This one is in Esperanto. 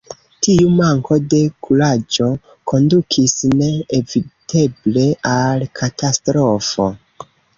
Tiu manko de kuraĝo kondukis ne-eviteble al katastrofo.